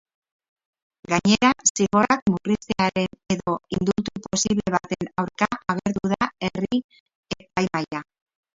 Gainera, zigorra murriztearen edo indultu posible baten aurka agertu da herri-epaimahaia.